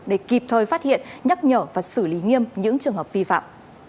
để kịp thời phát hiện nhắc nhở và xử lý nghiêm những trường hợp vi phạm